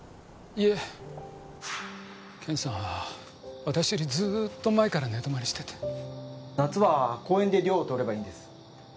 いえケンさんは私よりずーっと前から寝泊まりしてて夏は公園で涼をとればいいんです